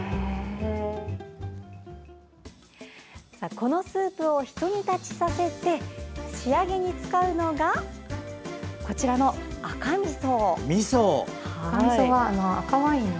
このスープをひと煮立ちさせて仕上げに使うのがこちらの赤みそ。